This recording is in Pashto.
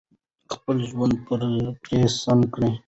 خپل ژوند پرې سم کړو.